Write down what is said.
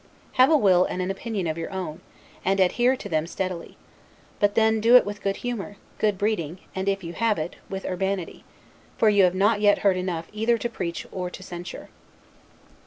Have a will and an opinion of your own, and adhere to them steadily; but then do it with good humor, good breeding, and (if you have it) with urbanity; for you have not yet heard enough either to preach or censure.